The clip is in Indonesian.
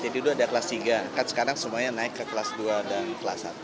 jadi dulu ada kelas tiga sekarang semuanya naik ke kelas dua dan kelas satu